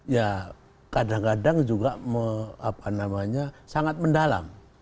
ya kadang kadang juga sangat mendalam